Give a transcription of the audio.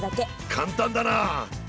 簡単だな。